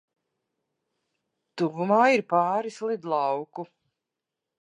Tuvumā ir pāris lidlauku.